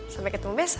sampai ketemu besok